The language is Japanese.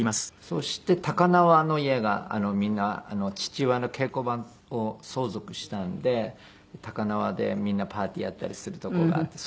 そして高輪の家がみんな父親の稽古場を相続したんで高輪でみんなパーティーやったりする所があって。